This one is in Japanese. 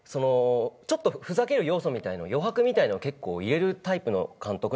ちょっとふざける要素みたいな余白みたいなのを結構入れるタイプの監督なんですけど。